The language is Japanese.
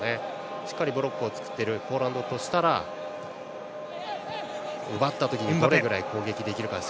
しっかりブロックを作っているポーランドとしたら奪った時どれくらい攻撃できるか。